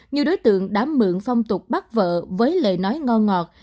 nhiều đối tượng đã mượn phong tục bắt vợ với lời nói ngon ngọt